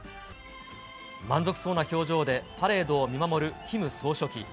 満足そうな表情でパレードを見守るキム総書記。